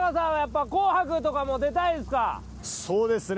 そうですね。